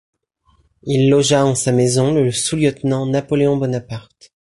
Il logea en sa maison le sous-lieutenant Napoléon Bonaparte.